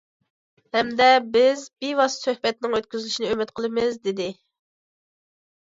ھەمدە بىز، بىۋاسىتە سۆھبەتنىڭ ئۆتكۈزۈلۈشىنى ئۈمىد قىلىمىز دېدى.